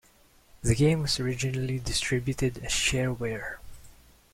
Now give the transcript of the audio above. The game was originally distributed as shareware.